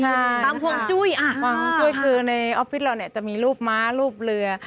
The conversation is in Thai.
ใช่ควังฮุงจุ้ยคือในออฟฟิศเราจะมีรูปมารูปเรือ